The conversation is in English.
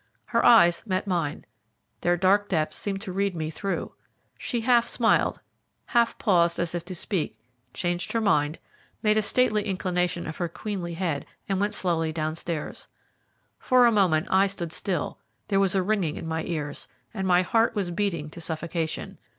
Her eyes met mine. Their dark depths seemed to read me through. She half smiled, half paused as if to speak, changed her mind, made a stately inclination of her queenly head, and went slowly downstairs. For a moment I stood still, there was a ringing in my ears, and my heart was beating to suffocation.